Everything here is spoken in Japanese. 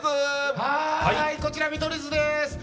こちら見取り図です。